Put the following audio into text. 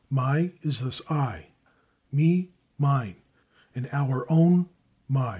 /My/ is thus /I/, /me/, /mine/ and our own /my